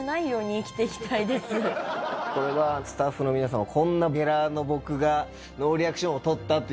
これはスタッフの皆さんは。